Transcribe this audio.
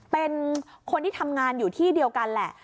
เป็นคนที่ทำงานอยู่ที่เดียวกันแหละ